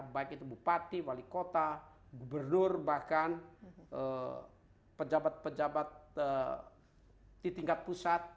baik itu bupati wali kota gubernur bahkan pejabat pejabat di tingkat pusat